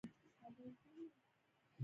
ژوندي ماشومان روزي